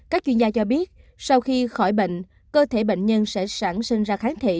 các chuyên gia cho biết sau khi khỏi bệnh cơ thể bệnh nhân sẽ sẵn sàng ra kháng thể